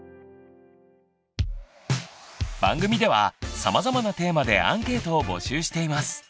番組ではさまざまなテーマでアンケートを募集しています。